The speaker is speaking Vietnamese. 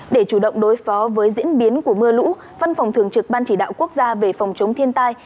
để chủ động đối phó với diễn biến của mưa lũ văn phòng thường trực ban chỉ đạo quốc gia về phòng chống thiên tai